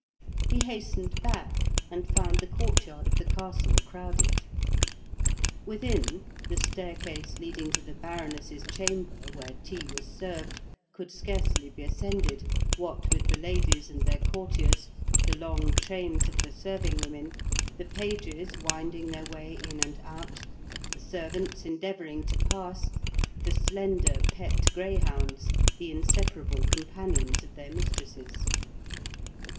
He hastened back, and found the courtyard of the castle crowded. Within, the staircase leading to the Baroness's chamber (where tea was served) could scarcely be ascended, what with the ladies and their courtiers, the long trains of the serving women, the pages winding their way in and out, the servants endeavouring to pass, the slender pet greyhounds, the inseparable companions of their mistresses.